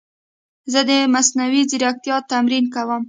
زه د مصنوعي ځیرکتیا تمرین کوم.